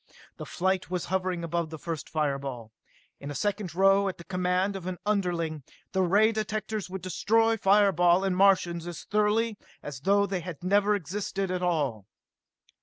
The flight was hovering above the first fireball. In a second now, at the command of an underling, the ray directors would destroy fire ball and Martians as thoroughly as though they had never existed at all.